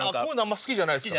好きじゃないですね。